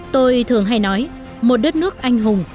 tôi thường hay nói một đất nước anh hùng